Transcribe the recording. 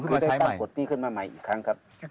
กดตี้ขึ้นมาใหม่อีกครั้งครับ